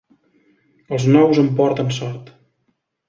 Els nous em porten sort.